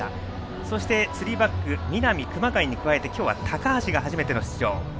そしてスリーバック南、熊谷に加えて今日は高橋が初めての出場。